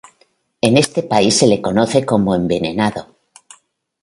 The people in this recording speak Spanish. En este país se le conoce como envenenado.